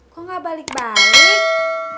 gue gak balik balik